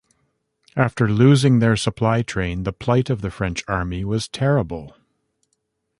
After losing their supply train, the plight of the French army was terrible.